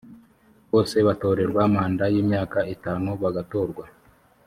bose batorerwa manda y imyaka itanu bagatorwa